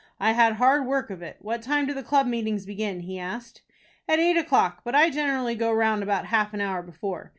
"I had hard work of it. What time do the club meetings begin?" he asked. "At eight o'clock, but I generally go round about half an hour before.